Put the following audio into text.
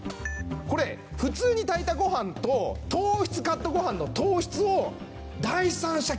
これ普通に炊いたごはんと糖質カットごはんの糖質を。